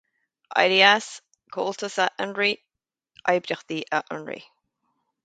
Éirí as; Comhaltas a Fhionraí; Oibríochtaí a Fhionraí.